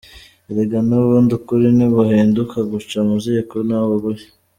Erega n’ubundi ukuri ntiguhinduka, guca mu ziko ntabwo gushya.